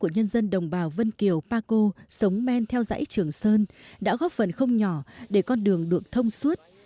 nhân dân đồng bào vân kiều pa co sống men theo dãy trường sơn đã góp phần không nhỏ để con đường được thông suốt